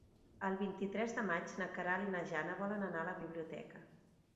El vint-i-tres de maig na Queralt i na Jana volen anar a la biblioteca.